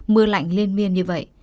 mưa lạnh liên miên như vậy